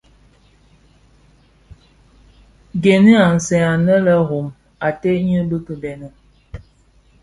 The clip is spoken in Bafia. Gèni a nsèè anë le Rum ated ňyi bi kibeni.